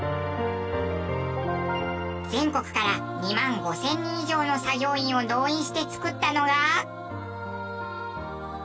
全国から２万５０００人以上の作業員を動員してつくったのが。